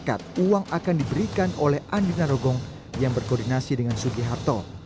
dekat uang akan diberikan oleh andrina rogong yang berkoordinasi dengan suki harto